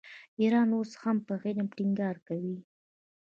ایران اوس هم په علم ټینګار کوي.